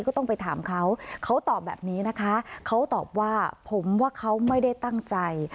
ก็ต้องไปถามเขาเขาตอบแบบนี้นะคะเขาตอบว่าผมว่าเขาไม่ได้ตั้งใจ